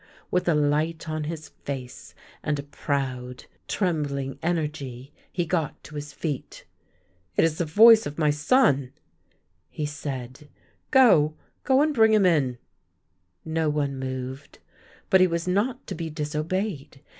With a light on his face and a proud, trembling 204 THE LANE THAT HAD NO TURNING energy, he got to his feet. " It is the voice of my son,'' he said. '* Go — go, and bring him in." No one moved. But he was not to be disobeyed.